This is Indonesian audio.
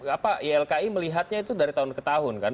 apa ylki melihatnya itu dari tahun ke tahun kan